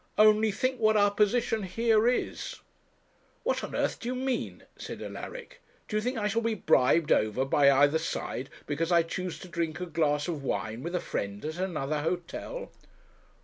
Only think what our position here is.' 'What on earth do you mean?' said Alaric. 'Do you think I shall be bribed over by either side because I choose to drink a glass of wine with a friend at another hotel?'